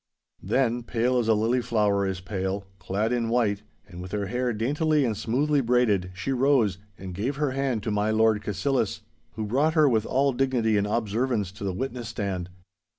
Then, pale as a lily flower is pale, clad in white, and with her hair daintily and smoothly braided, she rose and gave her hand to my Lord Cassillis, who brought her with all dignity and observance to the witness stance.